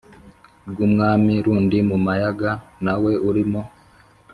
rwumwami rundi mumayaga nawe urimo?"